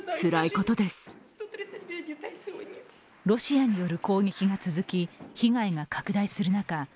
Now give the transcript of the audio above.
ロシアによる攻撃が続き被害が拡大する中